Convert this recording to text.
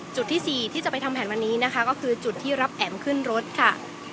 จุดที่๔ที่จะไปทำแผนวันนี้นะคะก็คือจุดที่รับแอ๋มขึ้นรถค่ะ